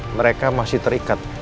mereka masih terikat